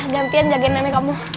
gantian jaga nanya kamu